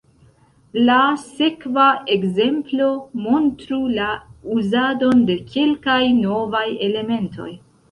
La sekva ekzemplo montru la uzadon de kelkaj novaj elementoj.